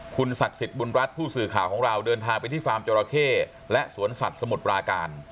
คุณศักดิ์สิทธิ์บุญรัฐผู้สื่อข่าวของเราเดินทางไปที่ฟาร์มจราเข้และสวนสัตว์สมุทรปราการ